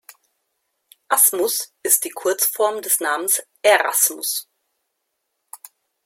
Asmus ist die Kurzform des Namens Erasmus.